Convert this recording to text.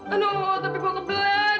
aduh tapi kok kebelet